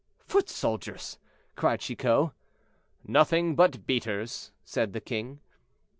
"Foot soldiers!" cried Chicot. "Nothing but beaters," said the king.